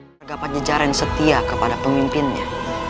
pada pada jara yang setia kepada pemimpinnya